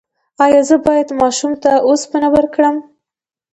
ایا زه باید ماشوم ته اوسپنه ورکړم؟